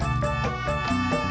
aku mau berbual